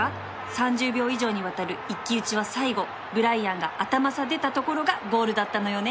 ３０秒以上にわたる一騎打ちは最後ブライアンが頭差出たところがゴールだったのよね